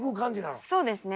そうですね。